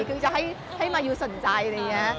คือจะให้มายูสนใจอะไรอย่างนี้